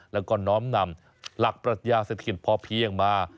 แล้วก็น้อมนำหลักปรัชญาเศรษฐกิจพอเพียงมา